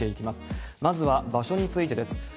まずは場所についてです。